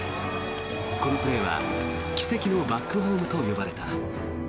このプレーは奇跡のバックホームと呼ばれた。